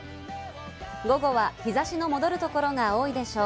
午後は日差しの戻るところが多いでしょう。